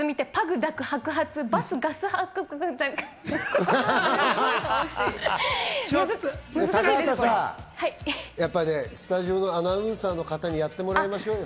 高畑さん、やっぱりね、スタジオのアナウンサーの方にやってもらいましょうよ。